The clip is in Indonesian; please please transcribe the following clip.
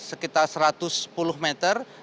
sekitar satu ratus sepuluh meter